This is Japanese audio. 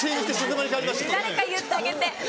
誰か言ってあげて。